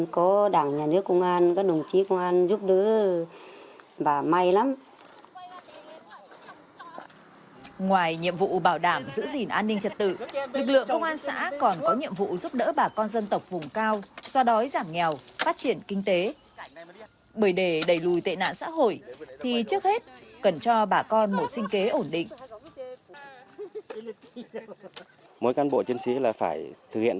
có được không có biết làm không